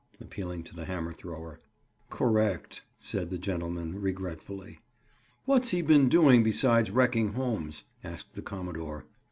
Appealing to the hammer thrower. "Correct," said that gentleman regretfully. "What's he been doing besides wrecking homes?" asked the commodore.